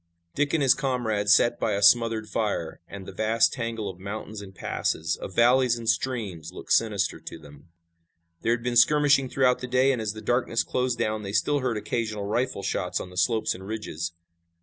Dick and his comrades sat by a smothered fire, and the vast tangle of mountains and passes, of valleys and streams looked sinister to them. There had been skirmishing throughout the day, and as the darkness closed down they still heard occasional rifle shots on the slopes and ridges.